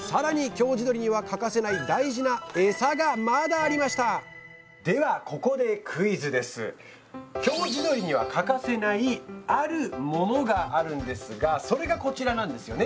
京地どりには欠かせない大事なエサがまだありました京地どりには欠かせないあるモノがあるんですがそれがこちらなんですよね。